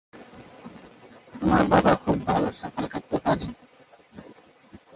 আমার বাবা খুব ভাল সাঁতার কাটতে পারে।